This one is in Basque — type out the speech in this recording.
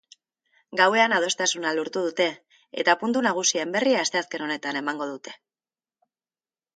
Gauean adostasuna lortu dute, eta puntu nagusien berri asteazken honetan emango dute.